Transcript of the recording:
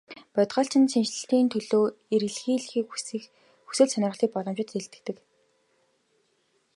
Бодгальчид шинэчлэлийн төлөө эрэлхийлэх хүсэл сонирхлын боломжид итгэдэг.